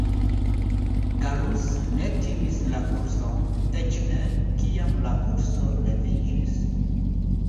Gallus ne timis la urson, eĉ ne, kiam la urso leviĝis.